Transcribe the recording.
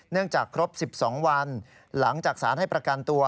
จากครบ๑๒วันหลังจากสารให้ประกันตัว